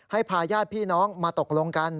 พาญาติพี่น้องมาตกลงกัน